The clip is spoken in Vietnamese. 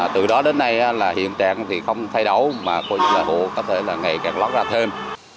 từ đó đến nay là hiện trạng thì không thay đấu mà hộ có thể là ngày càng lót ra thêm